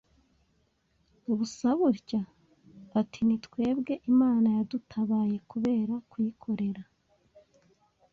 busa butya? Ati ni twebwe Imana yadutabaye kubera kuyikorera,